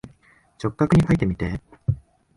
直角にかいてみて。